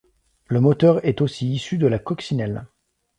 Le moteur est aussi issu de la Coccinelle.